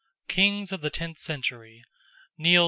KINGS OF THE TENTH CENTURY; NIAL IV.